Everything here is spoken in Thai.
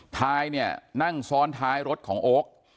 ทายเนี่ยนั่งซ้อนท้ายรถของโอ๊ค